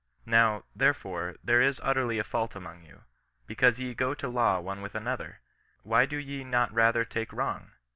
" Now, therefore, there is utterly a fault among you, because ye go to law one with Another; why do ye not rather take wrong?